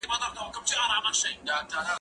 زه اوس لوبه کوم!.